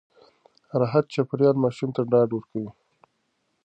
راحت چاپېريال ماشوم ته ډاډ ورکوي.